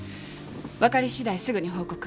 わかり次第すぐに報告。